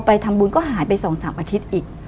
ไปทำบุญก็หายไป๒๓อาทิตย์อีก